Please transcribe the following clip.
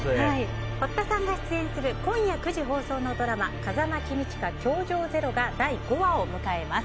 堀田さんが出演する今夜９時放送のドラマ「風間公親‐教場０‐」が第５話を迎えます。